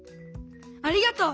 ありがとう！